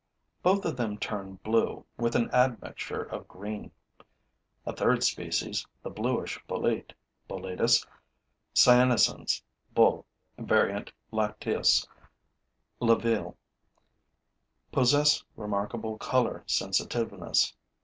Both of them turn blue, with an admixture of green. A third species, the bluish bolete (Boletus cyanescens, BULL., var. lacteus, LEVEILLE), possess remarkable color sensitiveness.